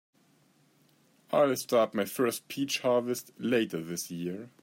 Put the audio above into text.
I'll start my first peach harvest later this year.